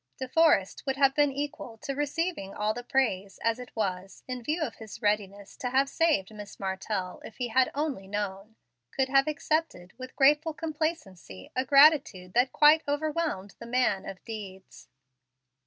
De Forrest would have been equal to receiving all the praise, and as it was, in view of his readiness to have saved Miss Martell if he "had only known," could have accepted, with graceful complacency, a gratitude that quite overwhelmed the man of deeds.